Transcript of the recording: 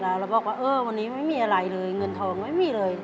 แล้วบอกว่าเออวันนี้ไม่มีอะไรเลยเงินทองไม่มีเลย